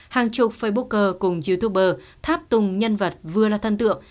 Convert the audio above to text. hàng chục facebook cùng youtuber tháp tùng nhân vật vừa là thân tượng